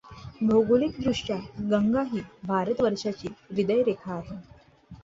भौगोलिकदृष्ट्या गंगा ही भारतवर्षाची हृदयरेखा आहे!